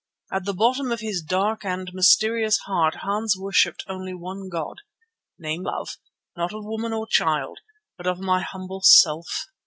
At the bottom of his dark and mysterious heart Hans worshipped only one god, named Love, not of woman or child, but of my humble self.